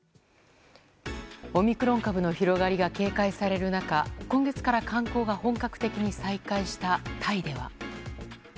オミクロン株の広がりが警戒される中今月から観光が本格的に再開したタイでは。